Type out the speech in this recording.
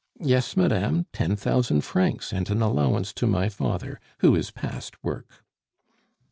"Yes, madame, ten thousand francs, and an allowance to my father, who is past work."